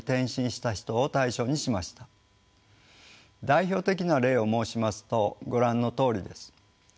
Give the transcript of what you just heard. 代表的な例を申しますとご覧のとおりです。